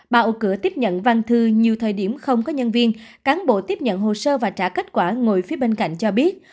bào cửa tiếp nhận văn thư nhiều thời điểm không có nhân viên cán bộ tiếp nhận hồ sơ và trả kết quả ngồi phía bên cạnh cho biết